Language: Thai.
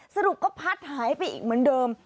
สรุปก็พัดหายไปอีกเหมือนเดิม